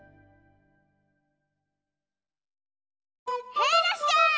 へいいらっしゃい！